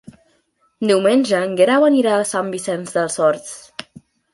Diumenge en Guerau anirà a Sant Vicenç dels Horts.